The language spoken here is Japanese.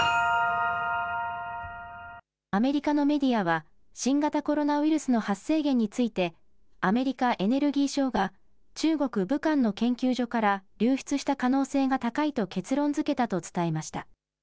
アメリカのメディアは新型コロナウイルスの発生源についてアメリカ・エネルギー省が中国・武漢の研究所から流出した可能性が高いと結論づけたと伝えました。